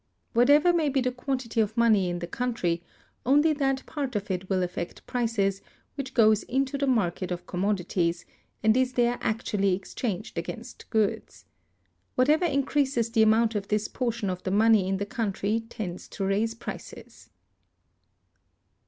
Whatever may be the quantity of money in the country, only that part of it will affect prices which goes into the market of commodities, and is there actually exchanged against goods. Whatever increases the amount of this portion of the money in the country tends to raise prices.